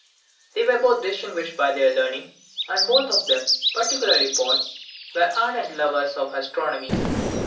They were both distinguished by their learning, and both of them, particularly Paul, were ardent lovers of astronomy.